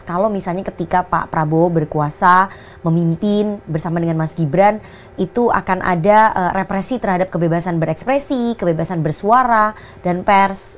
kalau misalnya ketika pak prabowo berkuasa memimpin bersama dengan mas gibran itu akan ada represi terhadap kebebasan berekspresi kebebasan bersuara dan pers